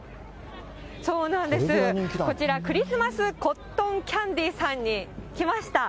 こちらクリスマスコットンキャンディさんに来ました。